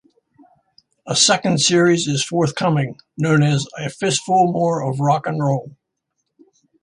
A second series is forthcoming, known as "A Fistful More of Rock and Roll".